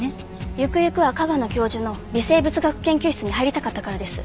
行く行くは加賀野教授の微生物学研究室に入りたかったからです。